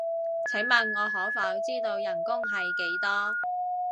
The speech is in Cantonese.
請問我可否知道人工係幾多？